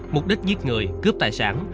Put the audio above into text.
mục đích giết người cướp tài sản